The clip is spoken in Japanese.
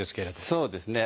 そうですね。